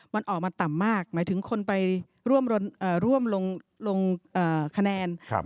มันออกมาต่ำมากหมายถึงคนไปร่วมลงเอ่อร่วมลงเอ่อคะแนนครับ